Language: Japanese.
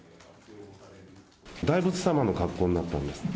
大仏様の格好になったんです。